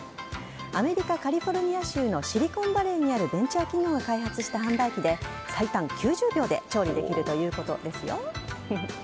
アメリカ・カリフォルニア州のシリコンバレーにあるベンチャー企業が開発した販売機で、最短９０秒で調理できるということですよ。